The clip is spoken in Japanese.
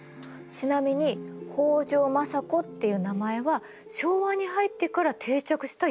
ちなみに北条政子っていう名前は昭和に入ってから定着した呼び方なんだって。